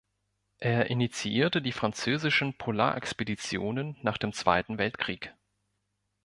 Er initiierte die französischen Polarexpeditionen nach dem Zweiten Weltkrieg.